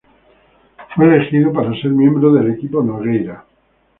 Fue elegido para ser miembro del Equipo Nogueira.